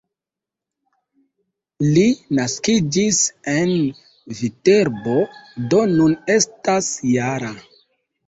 Li naskiĝis en Viterbo, do nun estas -jara.